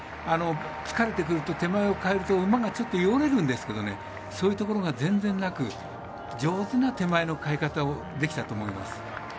疲れてくると手前を変えると馬がちょっと、弱るんですけどそういうところが全然なく上手な手前の変え方をできたと思います。